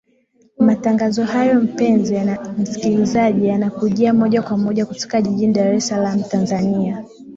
matangazo hayo mpenzi msikilizaji yanakujia moja kwa moja kutoka jijini dar es salam tanzania